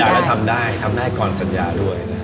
แล้วทำได้ทำได้ก่อนสัญญาด้วย